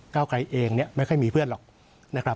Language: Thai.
ก้าวไกรเองไม่ค่อยมีเพื่อนหรอก